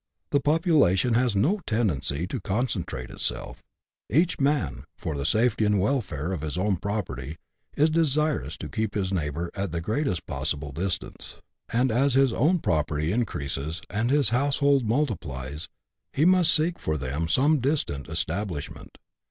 The population has no tendency to concentrate itself; each man, for the safety and welfare of his own property, is desirous to keep his neighbour at the greatest possible distance ; and as his own property increases, and his household multiplies, he must seek for them some distant establishment.